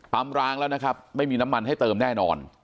ร้างแล้วนะครับไม่มีน้ำมันให้เติมแน่นอน